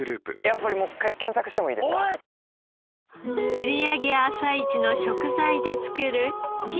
閖上朝市の食材で作る日